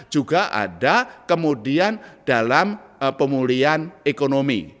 juga ada kemudian dalam pemulihan ekonomi